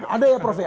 ada ya prof ya